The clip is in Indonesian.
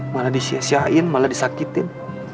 malah disiasiain malah disakitin